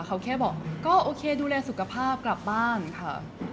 เขาแค่บอกก็โอเคดูแลสุขภาพกลับบ้านค่ะ